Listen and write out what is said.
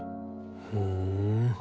ふん。